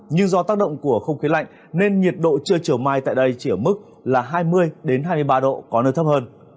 nhưng do tác động của không khí lạnh nên nhiệt độ trưa chiều mai tại đây chỉ ở mức là hai mươi hai mươi ba độ có nơi thấp hơn